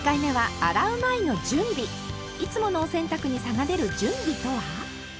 いつものお洗濯に差が出る準備とは？